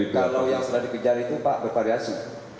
kalau yang sudah dikejar itu pak bervariasi